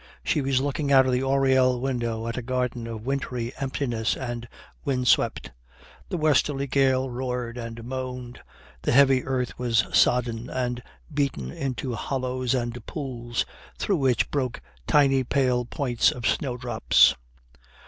She was looking out of the oriel window at a garden of wintry emptiness and wind swept. The westerly gale roared and moaned, the heavy earth was sodden and beaten into hollows and pools through which broke tiny pale points of snowdrops.